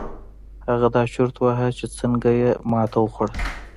هغه دا چورت واهه چې څنګه يې ماتې وخوړه.